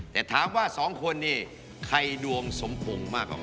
แต่ถามว่าสองคนนี่ใครดวงสมพงษ์มากกว่า